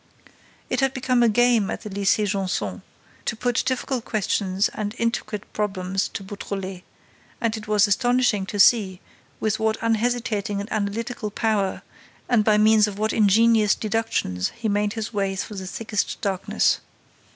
It had become a game at the Lycée Janson to put difficult questions and intricate problems to Beautrelet; and it was astonishing to see with what unhesitating and analytical power and by means of what ingenious deductions he made his way through the thickest darkness.